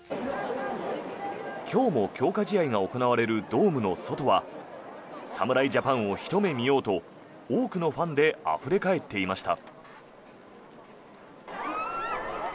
今日も強化試合が行われるドームの外は侍ジャパンをひと目見ようと多くのファンであふれ返っていました。